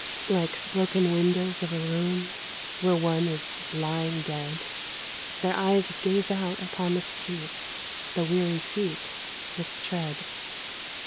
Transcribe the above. Like broken windows of a room Where one is lying dead, Their eyes gaze out upon the streets The weary feet must tread.